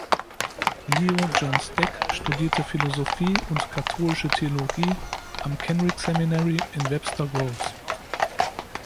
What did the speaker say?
Leo John Steck studierte Philosophie und Katholische Theologie am "Kenrick Seminary" in Webster Groves.